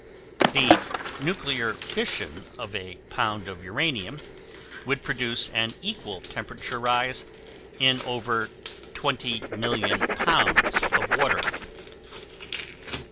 The nuclear fission of a pound of uranium would produce an equal temperature rise in over 200 million pounds of water.